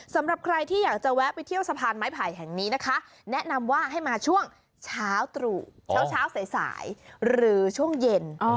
สำหรับใครที่อยากจะแวะไปเที่ยวสะพานไม้ไผ่แห่งนี้นะคะแนะนำว่าให้มาช่วงเช้าตรู่เช้าสายหรือช่วงเย็น